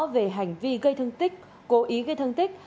về hành vi gây thương tích cố ý gây thương tích